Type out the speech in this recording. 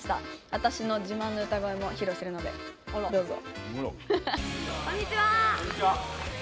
私の自慢の歌声も披露するので、どうぞ。